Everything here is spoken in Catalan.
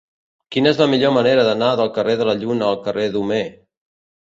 Quina és la millor manera d'anar del carrer de la Lluna al carrer d'Homer?